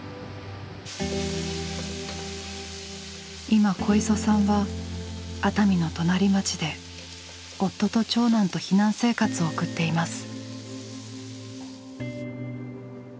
今小磯さんは熱海の隣町で夫と長男と避難生活を送っています。